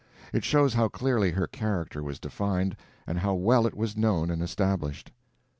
It shows how clearly her character was defined, and how well it was known and established.